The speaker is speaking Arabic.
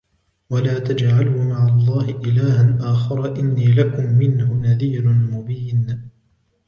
ولا تجعلوا مع الله إلها آخر إني لكم منه نذير مبين